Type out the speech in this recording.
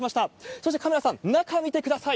そしてカメラさん、中見てください。